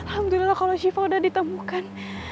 alhamdulillah kalau syifa udah ditemukan